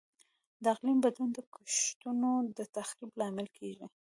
د اقلیم بدلون د کښتونو د تخریب لامل کیږي.